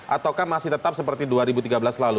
ataukah masih tetap seperti dua ribu tiga belas lalu